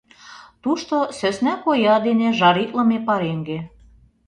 Тушто сӧсна коя дене жаритлыме пареҥге.